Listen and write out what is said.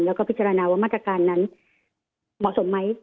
แล้วก็พิจารณาวัตถ์การณ์นั้นเหมาะสมไหม